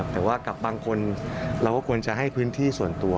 แต่ว่ากับบางคนเราก็ควรจะให้พื้นที่ส่วนตัว